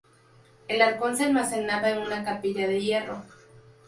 El arcón se almacenaba en una capilla de hierro.